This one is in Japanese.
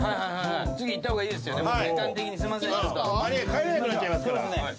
帰れなくなっちゃいますから。